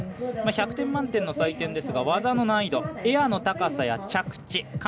１００点満点の採点ですが技の難易度、エアの高さや着地。